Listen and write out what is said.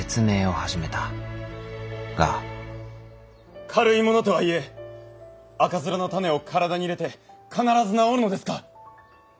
が軽いものとはいえ赤面の種を体に入れて必ず治るのですか。